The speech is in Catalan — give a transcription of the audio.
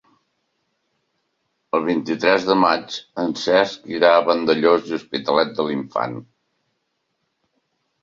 El vint-i-tres de maig en Cesc irà a Vandellòs i l'Hospitalet de l'Infant.